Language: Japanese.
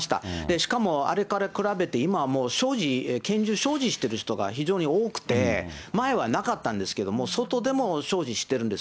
しかもあれから比べて今、所持、拳銃所持している人が非常に多くて、前はなかったんですけれども、外でも所持してるんです。